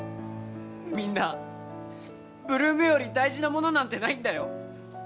みんな、８ＬＯＯＭより大事なものなんてないんだよ！